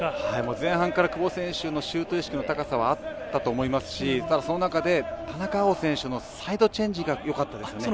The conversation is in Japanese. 前半から久保選手のシュート意識の高さはあったと思いますしただ、その中で田中碧選手のサイドチェンジが良かったですね。